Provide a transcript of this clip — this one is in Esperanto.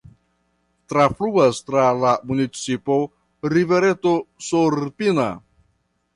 Trafluas tra la municipo rivereto Srpina.